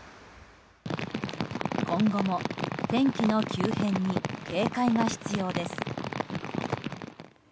今後も天気の急変に警戒が必要です。